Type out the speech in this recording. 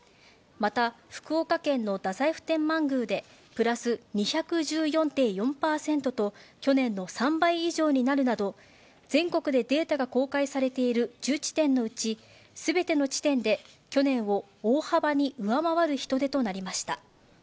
また、福岡県の太宰府天満宮でプラス２１４．４％と、去年の３倍以上になるなど、全国でデータが公開されている１０地点のうち、すべての地点で去年を大幅に上回る人出となりました。